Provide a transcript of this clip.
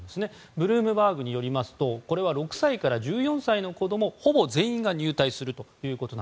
ブルームバーグによりますとこれは６歳から１４歳の子どもほぼ全員が入隊すると。